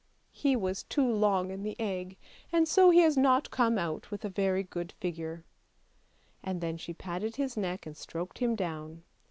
He was too long in the egg, and so he has not come out with a very good figure." And then she patted his neck and stroked him down.